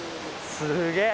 すげえ！